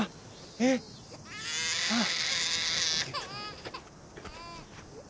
えっあっ。